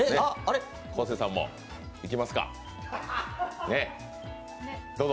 昴生さんもいきますか、どうぞ。